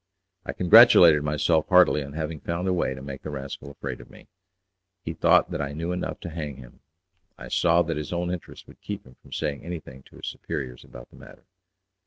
I congratulated myself heartily on having found a way to make the rascal afraid of me; he thought that I knew enough to hang him. I saw that his own interest would keep him from saying anything to his superiors about the matter.